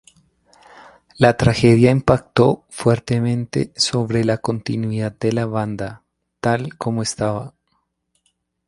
La tragedia impactó fuertemente sobre la continuidad de la banda, tal como estaba.